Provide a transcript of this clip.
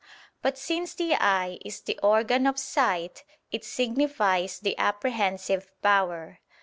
But since the eye is the organ of sight, it signifies the apprehensive power.